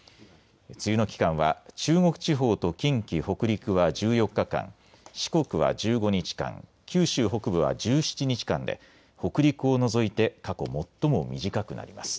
梅雨の期間は中国地方と近畿北陸は１４日間四国は１５日間九州北部は１７日間で北陸を除いて過去、最も短くなります。